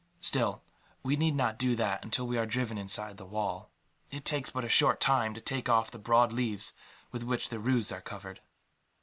Still, we need not do that until we are driven inside the wall. It takes but a short time to take off the broad leaves with which the roofs are covered."